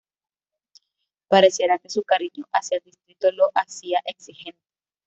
Pareciera que su cariño hacia el distrito lo hacía exigente.